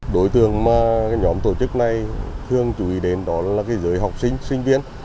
đối tượng mà nhóm tổ chức này thường chú ý đến đó là giới học sinh sinh viên